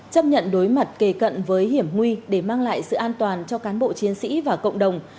chấp nhận đối mặt kề cận với hiểm nguy để mang lại sự an toàn cho cán bộ chiến sĩ và cộng đồng